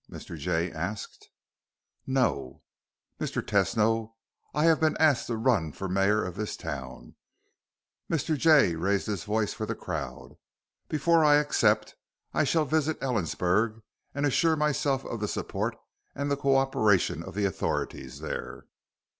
Mr. Jay asked. "No." "Mr. Tesno I have been asked to run for mayor of this town." Mr. Jay raised his voice for the crowd. "Before I accept, I shall visit Ellensburg and assure myself of the support and the co operation of the authorities there.